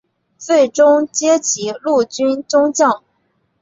最终阶级陆军中将。